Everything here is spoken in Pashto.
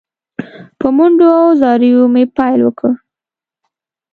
په منډو او زاریو مې پیل وکړ.